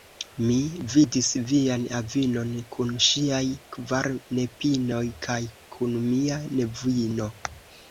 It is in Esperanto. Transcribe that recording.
Mi vidis vian avinon kun ŝiaj kvar nepinoj kaj kun mia nevino.